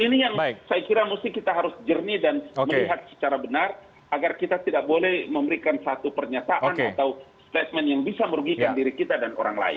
ini yang saya kira kita harus jernih dan melihat secara benar agar kita tidak boleh memberikan satu pernyataan atau statement yang bisa merugikan diri kita dan orang lain